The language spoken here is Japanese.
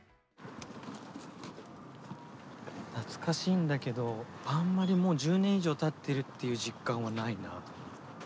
懐かしいんだけどあんまりもう１０年以上たってるっていう実感はないな。